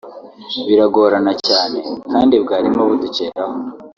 biragorana cyane kandi bwarimo budukeraho